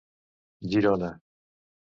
Girona